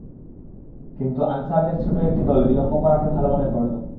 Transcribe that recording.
কিন্তু আনসারদের ছোট একটি দল বিলম্ব করাকে ভাল মনে করল।